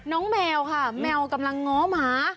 แมวค่ะแมวกำลังง้อหมา